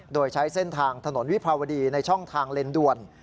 โดยใช้เส้นทางถนนวิภาวดีในช่องทางเลนด่วน